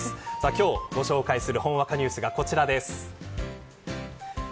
今日ご紹介するほんわかニュースがこちらです。